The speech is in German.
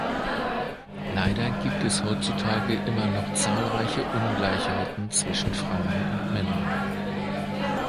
Leider gibt es heutzutage immer noch zahlreiche Ungleichheiten zwischen Frauen und Männern.